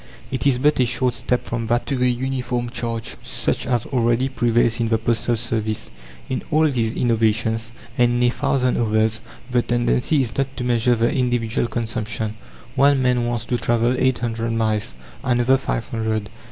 It is but a short step from that to a uniform charge, such as already prevails in the postal service. In all these innovations, and in a thousand others, the tendency is not to measure the individual consumption. One man wants to travel eight hundred miles, another five hundred.